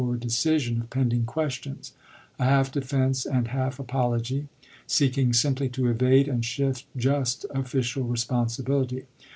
ward decision of pending questions ; a half defense and half apology, seeking simply to evade and shift just official responsibility.